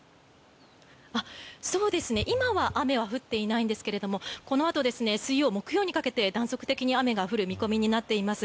今は雨は降っていないんですけれどもこのあと水曜、木曜にかけて断続的に雨が降る見込みになっています。